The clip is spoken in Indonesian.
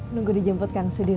nunggu dijemput kang sudirman